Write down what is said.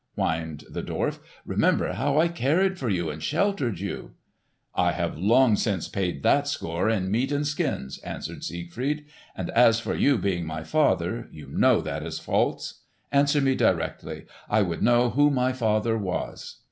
whined the dwarf. "Remember how I have cared for you and sheltered you." "I have long since paid that score in meat and skins," answered Siegfried. "And as for you being my father, you know that is false. Answer me directly! I would know who my father was!"